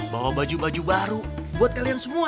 bawa baju baju baru buat kalian semua